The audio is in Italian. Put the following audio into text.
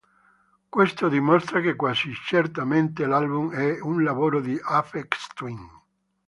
Questo dimostra che quasi certamente l'album è un lavoro di Aphex Twin.